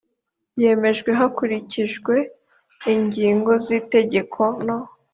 yemejwe hakurikijwe ingingo z itegeko no